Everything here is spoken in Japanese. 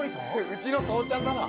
うちの父ちゃんだな。